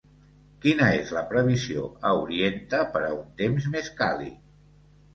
quina és la previsió a Orienta per a un temps més càlid